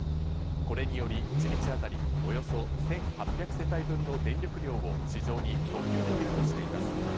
これにより一日当たりおよそ１８００世帯分の電力量を市場に供給できるとしています。